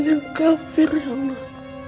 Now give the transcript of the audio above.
yang kafir ya allah